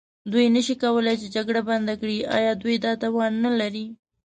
دوی نه شي کولای چې جګړه بنده کړي، ایا دوی دا توان نه لري؟